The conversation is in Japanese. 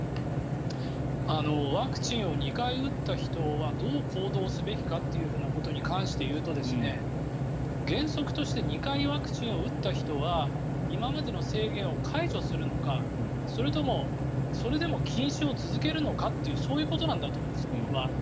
ワクチンを２回打った人はどう行動すべきかということに関して言うと原則として２回ワクチンを打った人は今までの制限を解除するのかそれともそれでも禁止を続けるのかというそういうことなんだと思うんです僕は。